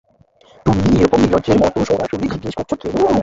তুমি এরকম নির্লজ্জের মতো সরাসরি জিজ্ঞেস করছ কেন?